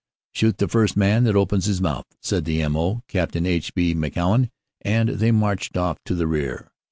"Shoot the first man that opens his mouth," said the M. O., Capt. H. B. McEwan, and they marched off to the rear.